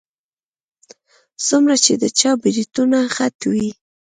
څومره چې د چا برېتونه غټ وي.